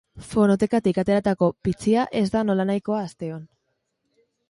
Fonotekatik ateratako pitxia ez da nolanahikoa asteon.